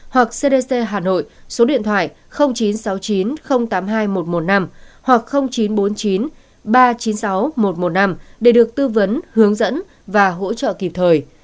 hoặc cdc hà nội số điện thoại chín trăm sáu mươi chín tám mươi hai một trăm một mươi năm hoặc chín trăm bốn mươi chín ba trăm chín mươi sáu một trăm một mươi năm để được tư vấn hướng dẫn và hỗ trợ kịp thời